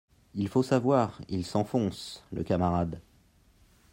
Il faut savoir, Il s’enfonce, le camarade